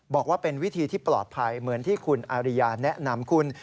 บอกว่าเป็นวิธีที่ปลอดภัยเหมือนที่คุณอาริยาแนะนำคุณ